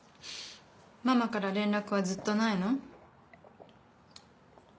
ママから連絡はずっとないの？